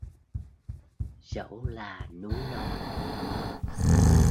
Dẫu là núi non